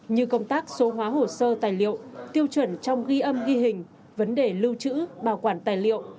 như công tác số hóa hồ sơ tài liệu tiêu chuẩn trong ghi âm ghi hình vấn đề lưu trữ bảo quản tài liệu